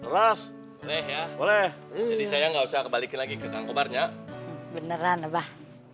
ras ya boleh jadi saya nggak usah kebalik lagi kekangkubarnya beneran abah